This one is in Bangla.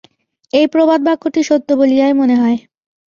এই প্রবাদবাক্যটি সত্য বলিয়াই মনে হয়।